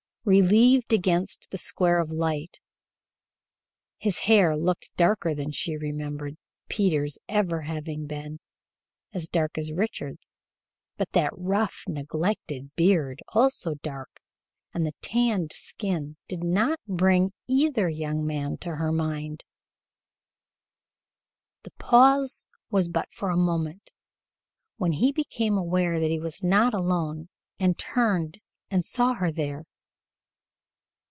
Relieved against the square of light, his hair looked darker than she remembered Peter's ever to have been, as dark as Richard's, but that rough, neglected beard, also dark, and the tanned skin, did not bring either young man to her mind. The pause was but for a moment, when he became aware that he was not alone and turned and saw her there.